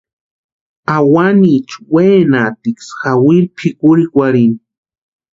Awanicha wenatʼiksï jawiri pʼikurhikwarhini.